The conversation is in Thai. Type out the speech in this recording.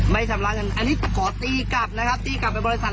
ไม่ชำระเงินอันนี้ขอตีกลับนะครับตีกลับไปบริษัท